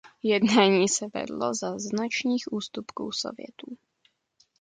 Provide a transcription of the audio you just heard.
Jednání se vedlo za značných ústupků Sovětů.